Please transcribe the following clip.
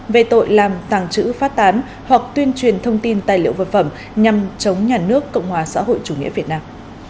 về tội làm tàng trữ phát tán hoặc tuyên truyền thông tin tài liệu vật phẩm nhằm chống nhà nước cộng hòa xã hội chủ nghĩa việt nam